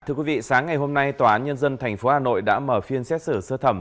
thưa quý vị sáng ngày hôm nay tòa án nhân dân tp hà nội đã mở phiên xét xử sơ thẩm